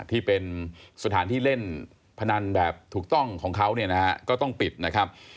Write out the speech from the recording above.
ที่เป็นสถานที่เล่นพนันแบบถูกต้องของเขาเนี่ยนะฮะก็ต้องปิดนะครับ